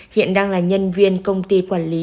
hiện đang là nhân viên công ty quản lý